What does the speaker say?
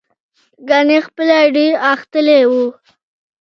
ګنې خپله ډېر غښتلی و.